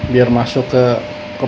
biar masuk ke